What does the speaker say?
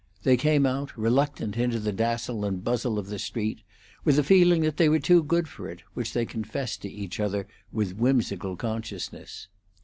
They came out, reluctant, into the dazzle and bustle of the street, with a feeling that they were too good for it, which they confessed to each other with whimsical consciousness.